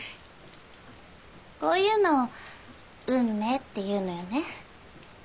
こういうのを運命っていうのよね。